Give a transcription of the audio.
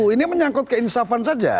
ini menyangkut keinsafan saja